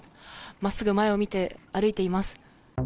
まっすぐ前を見て、歩いています。